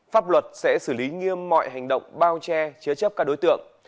pháp luật sẽ xử lý nghiêm mọi hành động bao che chứa chấp các đối tượng